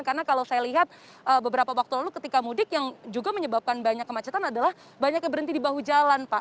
karena kalau saya lihat beberapa waktu lalu ketika mudik yang juga menyebabkan banyak kemacetan adalah banyak yang berhenti di bahu jalan pak